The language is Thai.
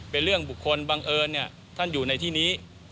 เป็นเรื่องบุคคลบังเอิญท่านอยู่ในที่นี้